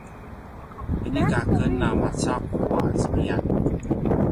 inika aken a maca’u a zemiyan